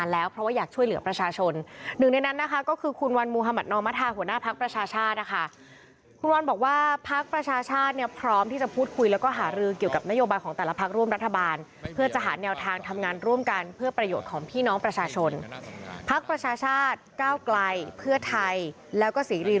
แล้วก็ทำงานร่วมกันมา๓๔ปีแล้ว